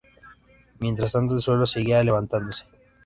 Mientras tanto el suelo seguía levantándose.